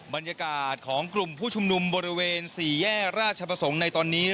บรรยากาศของกลุ่มผู้ชุมนุมบริเวณ๔แยกราชประสงค์ในตอนนี้